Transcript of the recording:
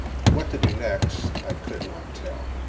What to do next I could not tell.